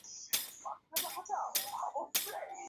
তিনি বাংলায় অনুবাদ করেছিলেন।